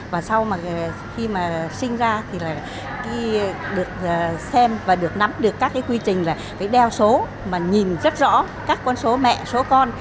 và sau khi sinh ra thì được xem và được nắm được các quy trình là phải đeo số mà nhìn rất rõ các con số mẹ số con